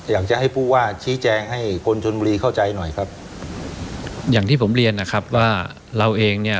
อยากจะให้ผู้ว่าชี้แจงให้คนชนบุรีเข้าใจหน่อยครับอย่างที่ผมเรียนนะครับว่าเราเองเนี่ย